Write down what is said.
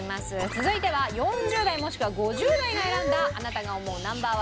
続いては４０代もしくは５０代が選んだあなたが思うＮｏ．１